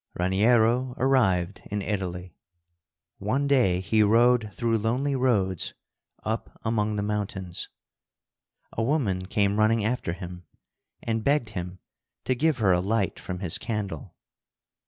Raniero arrived in Italy. One day he rode through lonely roads up among the mountains. A woman came running after him and begged him to give her a light from his candle.